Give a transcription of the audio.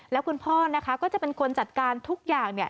แล้วคุณพ่อก็จะเป็นคนจัดการทุกอย่าง